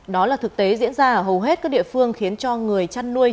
đó là thực tế diễn ra ở hầu hết các địa phương khiến cho người chăn nuôi